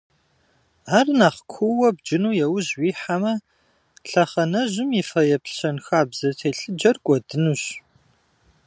Ар нэхъ куууэ бджыну яужь уихьэмэ, лъэхъэнэжьым и фэеплъ щэнхабзэ телъыджэр кӀуэдынущ.